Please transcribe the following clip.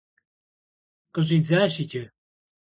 Къыщӏидзащ иджы!